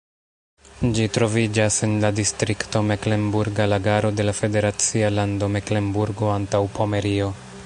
Ĝi troviĝas en la distrikto Meklenburga Lagaro de la federacia lando Meklenburgo-Antaŭpomerio.